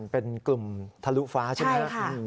เป็นกลุ่มทะลุฟ้าใช่ไหมครับ